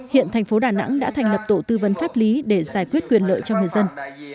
hiện thành phố đà nẵng đã thành lập tổ tư vấn pháp lý để giải quyết quyền lợi cho người dân